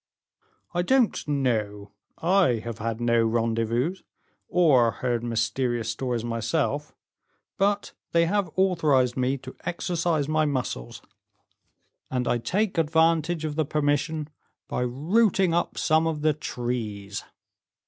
"I don't know; I have had no rendezvous or heard mysterious stories myself, but they have authorized me to exercise my muscles, and I take advantage of the permission by rooting up some of the trees."